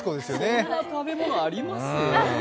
そんな食べ物あります？